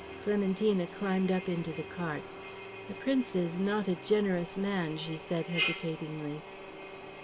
Clementina climbed up into the cart. "The Prince is not a generous man," she said hesitatingly.